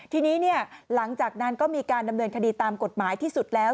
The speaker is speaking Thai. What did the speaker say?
ทีนี้หลังจากนั้นก็มีการดำเนินคดีตามกฎหมายที่สุดแล้ว